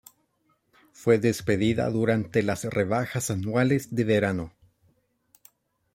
Fue despedida durante las rebajas anuales de verano.